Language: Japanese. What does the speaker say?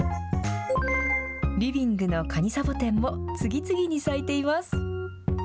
リビングのカニサボテンも次々に咲いています。